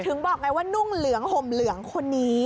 ถึงบอกไงว่านุ่งเหลืองห่มเหลืองคนนี้